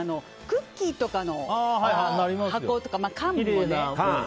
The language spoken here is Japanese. クッキーとかの箱とか、缶もね。